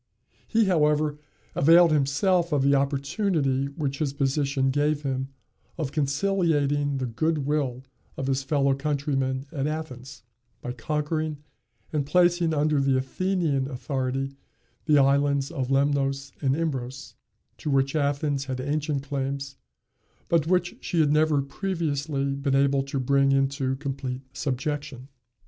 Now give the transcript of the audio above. He, however, availed himself of the opportunity which his position gave him of conciliating the good will of his fellow countrymen at Athens, by conquering and placing under the Athenian authority the islands of Lemnos and Imbros, to which Athens had ancient claims, but which she had never previously been able to bring into complete subjection.